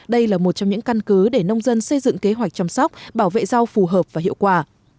đây là một trong những căn cứ để nông dân xây dựng kế hoạch chăm sóc bảo vệ rau phù hợp và hiệu quả